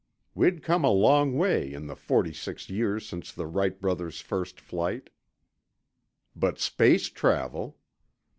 We'd come a long way in the forty six years since the Wright brothers' first flight. But space travel!